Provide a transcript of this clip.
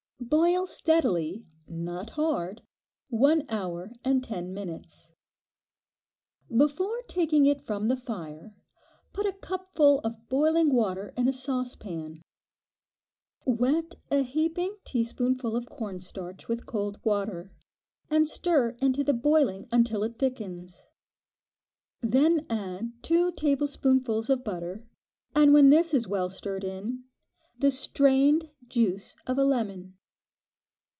Boil steadily, not hard, one hour and ten minutes. Before taking it from the fire, put a cupful of boiling water in a saucepan. Wet a heaping teaspoonful of corn starch with cold water, and stir into the boiling until it thickens. Then add two tablespoonfuls of butter, and when this is well stirred in, the strained juice of a lemon.